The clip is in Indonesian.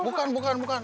bukan bukan bukan